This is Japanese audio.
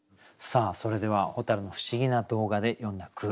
それでは蛍の不思議な動画で詠んだ句